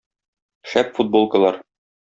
Шәп футболкалар.